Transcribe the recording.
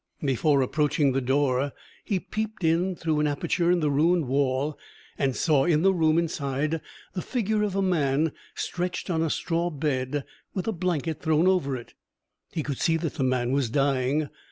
Before approaching the door, he peeped in through an aperture in the ruined wall, and saw in the room inside the figure of a man, stretched on a straw bed, with a blanket thrown over it. He could see that the man was dying.